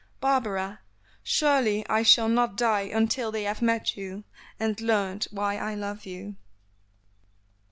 "Barbara! surely I shall not die until they have met you, and learned why I love you."